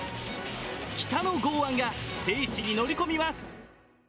北の剛腕が聖地に乗り込みます。